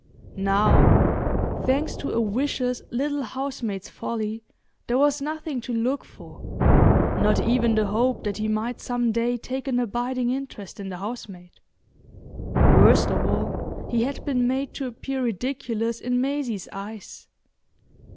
Now, thanks to a vicious little housemaid's folly, there was nothing to look for—not even the hope that he might some day take an abiding interest in the housemaid. Worst of all, he had been made to appear ridiculous in Maisie's eyes.